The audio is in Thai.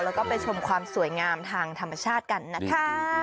แล้วก็ไปชมความสวยงามทางธรรมชาติกันนะคะ